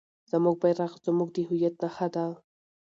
زموږ بیرغ زموږ د هویت نښه ده.